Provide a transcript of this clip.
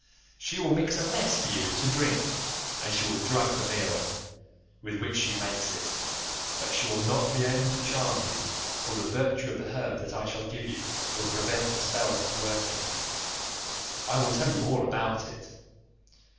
She will mix a mess for you to drink, and she will drug the meal with which she makes it, but she will not be able to charm you, for the virtue of the herb that I shall give you will prevent her spells from working. I will tell you all about it.